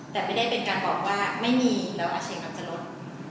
แต่ไม่ได้เป็นการบอกว่าไม่มีแล้วอาเซียนอาจจะลด